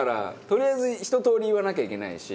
とりあえず一通り言わなきゃいけないし。